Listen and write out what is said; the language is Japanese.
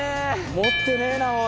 持ってねえなおい。